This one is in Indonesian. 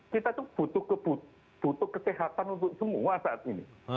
kita tuh butuh kesehatan untuk semua saat ini